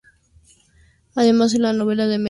Además de la novela de Merritt "Creep, Shadow!